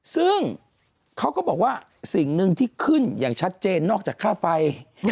ซึ่งเขาก็บอกว่าสิ่งหนึ่งที่ขึ้นอย่างชัดเจนนอกจากค่าไฟ